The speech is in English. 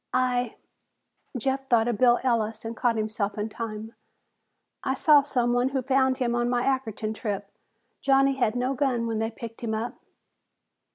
"I " Jeff thought of Bill Ellis and caught himself in time. "I saw someone who found him on my Ackerton trip. Johnny had no gun when they picked him up."